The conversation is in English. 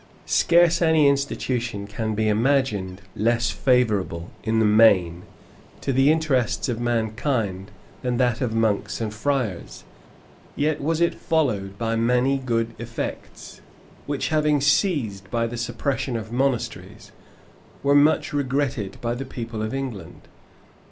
Scarce any institution can be imagined less favorable, in the main, to the interests of mankind than that of monks and friars; yet was it followed by many good effects, which, having ceased by the suppression of monasteries, were much regretted by the people of England.